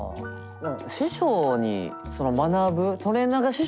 師匠にその学ぶ。